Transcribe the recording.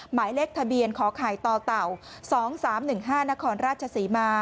หมายเลขทะเบียนขอไข่ต่อเต่า๒๓๑๕นครราชศรีมา